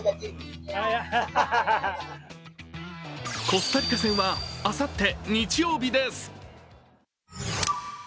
コスタリカ戦はあさって日曜日です。